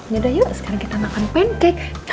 yaudah yuk sekarang kita makan pancake